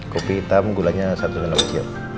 kopi hitam gulanya satu sendok